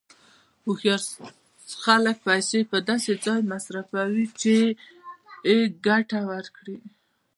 هوښیار خلک پیسې په داسې ځای مصرفوي چې ګټه ورکړي.